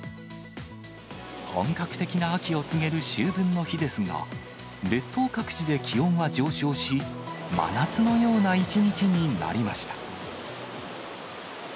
本格的な秋を告げる秋分の日ですが、列島各地で気温は上昇し、真夏のような一日になりました。